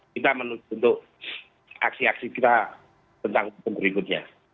kita menunjukkan untuk aksi aksi kita tentang berikutnya